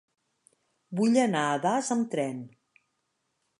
Vull anar a Das amb tren.